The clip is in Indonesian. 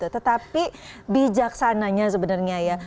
tetapi bijaksananya sebenarnya ya